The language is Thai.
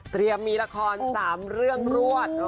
เตรียมมีละคร๓เรื่องรวด